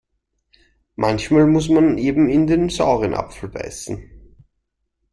Manchmal muss man eben in den sauren Apfel beißen.